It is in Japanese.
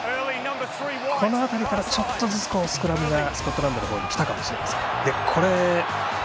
この辺りからちょっとずつスクラムがスコットランドの方に来たかもしれません。